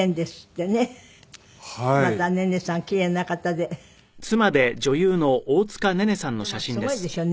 でもすごいですよね。